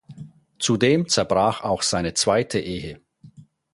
Zudem zerbrach auch seine zweite Ehe.